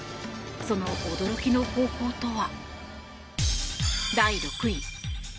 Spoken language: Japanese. その驚きの方法とは。